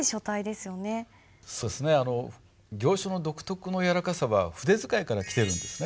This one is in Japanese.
そうですね行書の独特のやわらかさは筆使いから来てるんですね。